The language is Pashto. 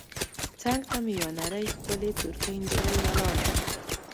څنګ ته مې یوه نرۍ ښکلې ترکۍ نجلۍ ولاړه وه.